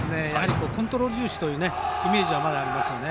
コントロール重視というイメージがまだありますね。